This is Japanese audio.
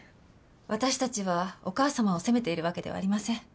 私たちはお母様を責めているわけではありません。